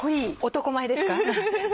男前ですか？